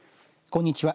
こんにちは。